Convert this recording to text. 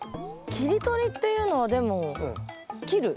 切り取りっていうのはでも切る。